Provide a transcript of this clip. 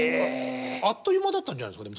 あっという間だったんじゃないですか？